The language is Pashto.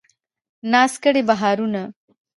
ناز کړي بهارونه